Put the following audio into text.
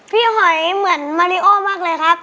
หอยเหมือนมาริโอมากเลยครับ